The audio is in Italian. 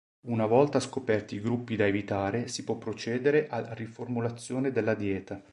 Una volta scoperti i gruppi da evitare, si può procedere al riformulazione della dieta.